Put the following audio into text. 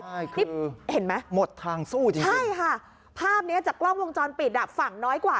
นี่เห็นไหมใช่ค่ะภาพนี้จากกล้องวงจรปิดฝั่งน้อยกว่า